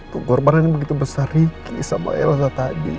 pengorbanan yang begitu besar riki sama elsa tadi